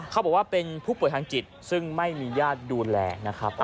เขาบอกว่าเป็นผู้ป่วยทางจิตซึ่งไม่มีญาติดูแลนะครับ